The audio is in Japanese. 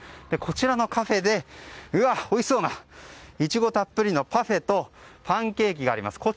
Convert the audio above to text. こちらのカフェで、おいしそうなイチゴたっぷりのパフェとパンケーキがあります。